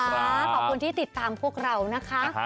ขอบคุณที่ติดตามพวกเรานะคะ